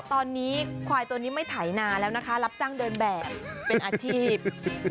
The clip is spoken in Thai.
ตอนนี้ควายตัวนี้ไม่ไถนาแล้วนะคะรับจ้างเดินแบบเป็นอาชีพ